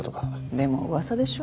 でも噂でしょ？